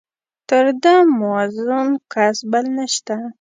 تر ده موزون کس بل نشته.